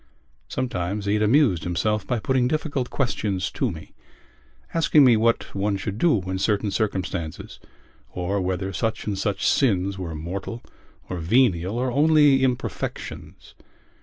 Sometimes he had amused himself by putting difficult questions to me, asking me what one should do in certain circumstances or whether such and such sins were mortal or venial or only imperfections.